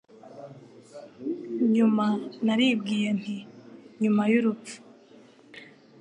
Nyuma naribwiye nti nyuma y'urupfu